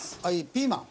ピーマン。